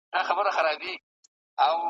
سپېده داغ ته یې د شپې استازی راسي .